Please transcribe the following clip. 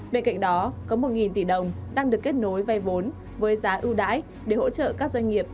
bên cạnh đó có một tỷ đồng đang được kết nối vay vốn với giá ưu đãi để hỗ trợ các doanh nghiệp